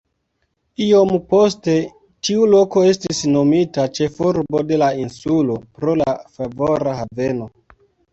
Iom poste tiu loko estis nomita ĉefurbo de la insulo pro la favora haveno.